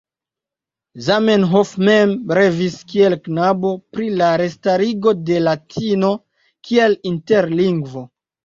Zamenhof mem revis kiel knabo pri la restarigo de latino kiel interlingvo.